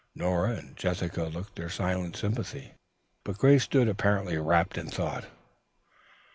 Nora and Jessica looked their silent sympathy, but Grace stood apparently wrapped in thought.